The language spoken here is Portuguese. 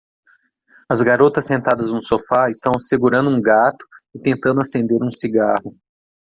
As garotas sentadas no sofá estão segurando um gato e tentando acender um cigarro.